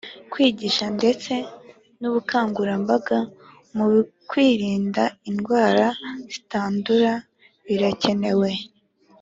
Kwigisha ndetse n ubukangurambaga mu kwirinda indwara zitandura birakenewe